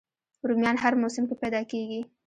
رومیان هر موسم کې پیدا کېږي